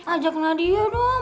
ajak nadia dong